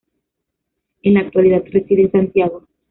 En la actualidad reside en Santiago.